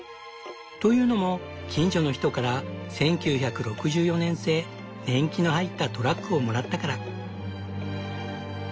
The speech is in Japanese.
というのも近所の人から１９６４年製年季の入ったトラックをもらったから。